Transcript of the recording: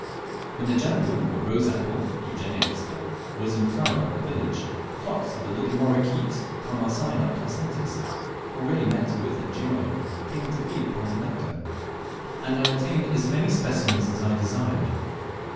When the Jambu, or rose apple (Eugenic sp.), was in flower in the village, flocks of the little lorikeet (Charmosyna placentis), already met with in Gilolo, came to feed upon the nectar, and I obtained as many specimens as I desired.